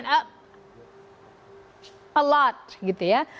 a lot gitu ya